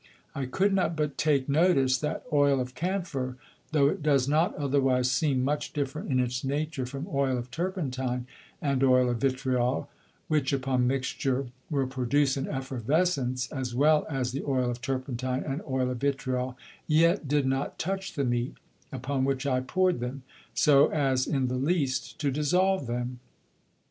I could not but take notice, that Oil of Camphire (though it does not otherwise seem much different in its Nature from Oil of Turpentine) and Oil of Vitriol, which upon mixture will produce an Effervescence as well as the Oil of Turpentine and Oil of Vitriol, yet did not touch the Meat, upon which I poured them, so as in the least to dissolve them.